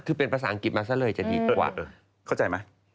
คือเป็นภาษาอังกฤษมาซะเลยจะดีกว่าเข้าใจไหม